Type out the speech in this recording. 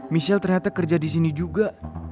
michelle ternyata kerja disini juga